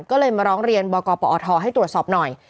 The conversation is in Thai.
ก็เลยมาร้องเรียนบกปอทให้ตรวจสอบหน่อย